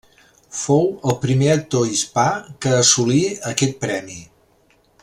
Fou el primer actor hispà que assolí aquest premi.